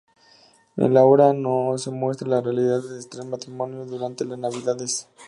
En la obra se nos muestran las realidades de tres matrimonios durante las Navidades.